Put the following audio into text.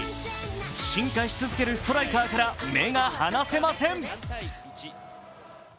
進化し続けるストライカーから目が離せません。